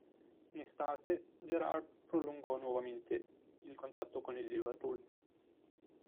In estate, Gerrard prolungò nuovamente il contratto con il Liverpool.